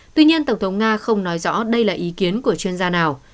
tuy nhiên tổng thống nga không nói rõ đây là ý kiến của chuyên gia nào